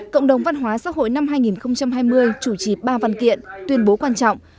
cộng đồng văn hóa xã hội năm hai nghìn hai mươi chủ trì ba văn kiện tuyên bố quan trọng